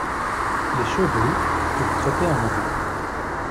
Les chevaux purent trotter un moment.